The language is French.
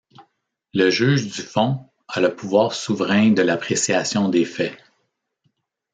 Le juge du fond a le pouvoir souverain de l'appréciation des faits.